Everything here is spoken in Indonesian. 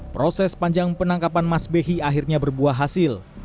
proses panjang penangkapan mas behi akhirnya berbuah hasil